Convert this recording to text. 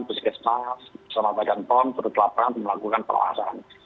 puskesmas sama badan pom turut lapangan melakukan pengelolaan